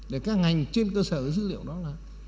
để các ngành trên cơ sở dữ liệu đó là